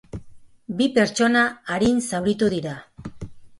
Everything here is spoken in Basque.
Bi pertsona arin zauritu dira.